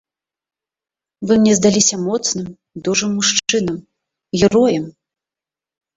Вы мне здаліся моцным, дужым мужчынам, героем.